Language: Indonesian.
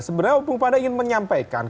sebenarnya hukum panda ingin menyampaikan